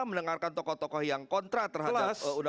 mendengarkan tokoh tokoh yang kontra terhadap